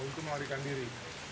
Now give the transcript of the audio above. untuk melarikan diri